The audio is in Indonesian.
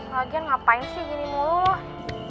lagian ngapain sih gini mulu